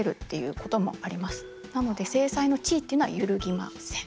なので正妻の地位っていうのは揺るぎません。